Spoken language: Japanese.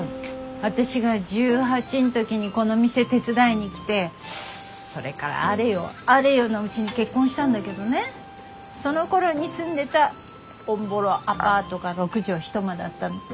私が１８ん時にこの店手伝いに来てそれからあれよあれよのうちに結婚したんだけどねそのころに住んでたおんぼろアパートが６畳一間だったの。